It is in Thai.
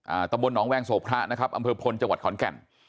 ตำบลหนองแวงโสพระนะครับอำเภอพลจังหวัดขอนแก่น